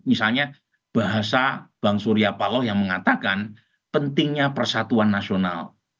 misalnya bahasa bang surya paloh yang mengatakan pentingnya persatuan nasional